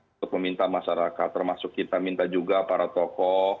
untuk meminta masyarakat termasuk kita minta juga para tokoh